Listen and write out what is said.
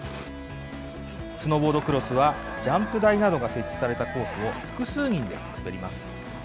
スノーボードクロスは、ジャンプ台などが設置されたコースを複数人で滑ります。